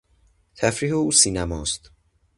تفریح او سینما است.